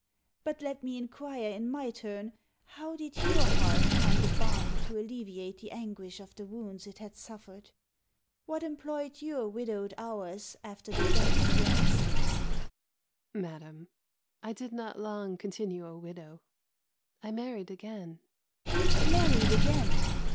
But let me inquire in my turn, how did your heart find a balm to alleviate the anguish of the wounds it had suffered? What employed your widowed hours after the death of your Essex? Countess of Clanricarde. Madam, I did not long continue a widow: I married again. Princess of Orange. Married again!